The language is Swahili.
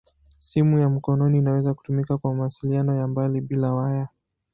Simu ya mkononi inaweza kutumika kwa mawasiliano ya mbali bila waya.